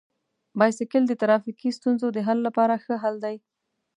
بایسکل د ټرافیکي ستونزو د حل لپاره ښه حل دی.